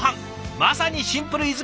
まさにシンプルイズベスト！